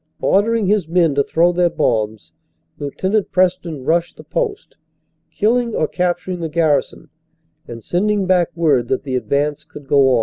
Ordering his men to throw their bombs, Lt. Preston rushed the post, killing or capturing the garrison, and sending back word that the advance could go on.